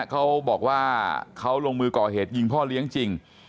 เขาบอกว่าเขาลงมือก่อเหตุยิงพ่อเลี้ยงจริง